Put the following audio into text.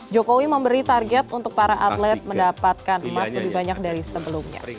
jokowi memberi target untuk para atlet mendapatkan emas lebih banyak dari sebelumnya